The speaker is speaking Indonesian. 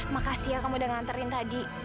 makasih ya kamu udah nganterin tadi